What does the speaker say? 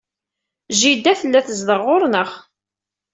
Jida tella tezdeɣ ɣur-neɣ.